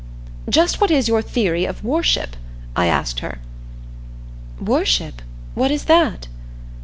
"Just what is your theory of worship?" I asked her. "Worship? What is that?"